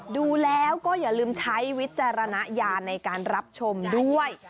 ดูแล้วก็อย่าลืมใช้วิจารณญาณในการรับชมด้วย